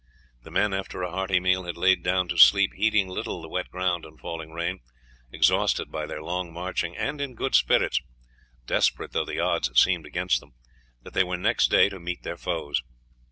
The men after a hearty meal had lain down to sleep, heeding little the wet ground and falling rain, exhausted by their long marching, and in good spirits, desperate though the odds seemed against them, that they were next day to meet their foes.